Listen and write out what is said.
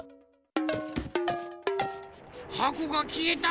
はこがきえた！